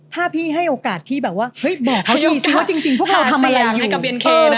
ถ้าพี่ให้โอกาสที่แบบว่าเฮ้ยบอกเขาดีซิว่าจริงพวกเราทำอะไรอยู่